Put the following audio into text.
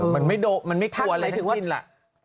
มันไม่โดมันไม่กลัวอะไรทั้งสิ้นล่ะ